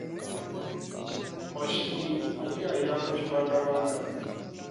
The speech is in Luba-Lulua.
Mashinyi adi aya mu tshibandabanda.